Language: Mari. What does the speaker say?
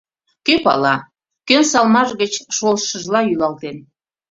Кӧ пала, кӧн салмаж гыч шолыштшыжла йӱлалтен...